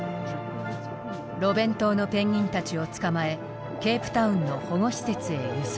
ロベン島のペンギンたちを捕まえケープタウンの保護施設へ輸送。